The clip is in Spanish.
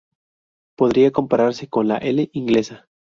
Podría compararse con la L Inglesa.